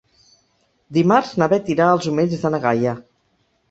Dimarts na Beth irà als Omells de na Gaia.